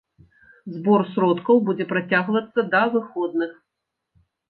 Збор сродкаў будзе працягвацца да выходных.